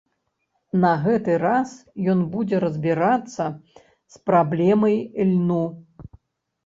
На гэты раз ён будзе разбірацца з праблемай льну.